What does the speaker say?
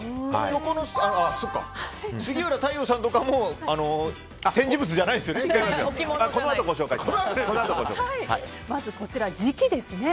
横の杉浦太陽さんとかも展示物じゃないですよね。